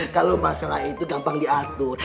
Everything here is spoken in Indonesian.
kalau masalah itu gampang diatur